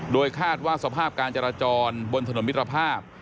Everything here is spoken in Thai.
โดยคาดว่าสภาพการจราจรบนถนนมิตรภาพ